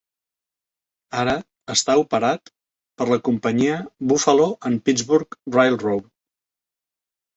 Ara està operat per la companyia Buffalo and Pittsburgh Railroad.